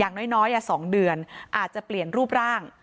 อย่างน้อยน้อยอ่ะสองเดือนอาจจะเปลี่ยนรูปร่าง